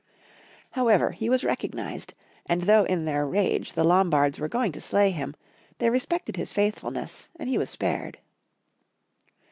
However he was recognized, and though in their rage the Lombards were going to slay him, they respected his faithfulness, and he was spared.